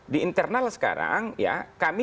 di internal sekarang kami